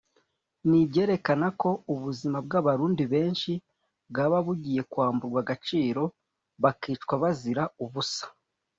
ni ibyerekana ko ubuzima bw’Abarundi benshi bwaba bugiye kwamburwa agaciro bakicwa bazira ubusa